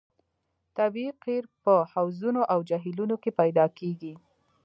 طبیعي قیر په حوضونو او جهیلونو کې پیدا کیږي